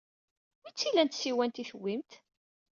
Wi tt-ilan tsiwant ay tewwimt?